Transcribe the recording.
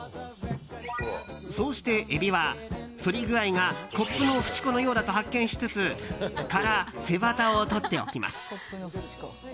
そうしてエビは、そり具合がコップのフチ子のようだと発見しつつ殻、背ワタを取っていきます。